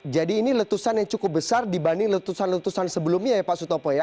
jadi ini letusan yang cukup besar dibanding letusan letusan sebelumnya ya pak sutopo ya